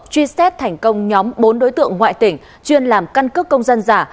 truy xét thành công nhóm bốn đối tượng ngoại tỉnh chuyên làm căn cước công dân giả